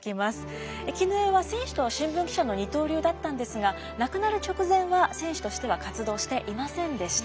絹枝は選手と新聞記者の二刀流だったんですが亡くなる直前は選手としては活動していませんでした。